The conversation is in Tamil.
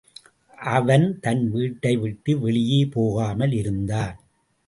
அவன் தன் வீட்டை விட்டு வெளியே போகாமல் இருந்தான்.